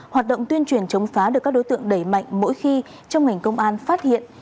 hoạt động tuyên truyền chống phá được các đối tượng đẩy mạnh mỗi khi trong ngành công an phát hiện